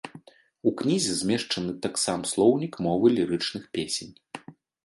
У кнізе змешчаны таксам слоўнік мовы лірычных песень.